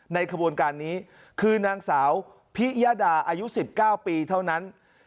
ขบวนการนี้คือนางสาวพิยดาอายุ๑๙ปีเท่านั้น